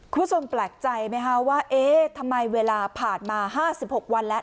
คุณผู้ชมแปลกใจไหมครับว่าเอ๊ะทำไมเวลาผ่านมา๕๖วันแล้ว